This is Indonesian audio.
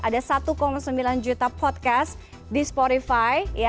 ada satu sembilan juta podcast di spotify ya